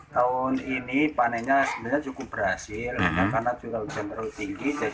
tahun ini panenya sebenarnya cukup berhasil karena durian terlalu tinggi jadi produktifnya tidak